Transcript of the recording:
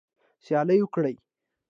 سیالي وکړئ